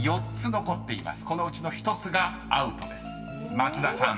［松田さん］